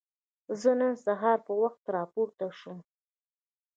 زه نن سهار په وخت راپورته شوم.